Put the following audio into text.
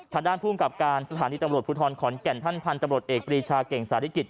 ทางด้านภูมิกับการสถานีตำรวจภูทรขอนแก่นท่านพันธุ์ตำรวจเอกปรีชาเก่งสาริกิจ